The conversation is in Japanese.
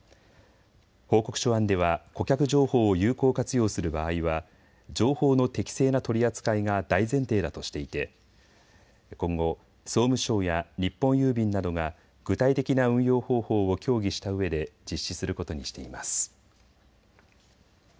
報告書案では顧客情報を有効活用する場合は情報の適正な取り扱いが大前提だとしていて今後、総務省や日本郵便などが具体的な運用方法を協議したうえで実施することにしています。